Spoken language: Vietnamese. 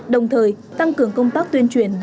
đồng thời tăng cường công tác tuyên truyền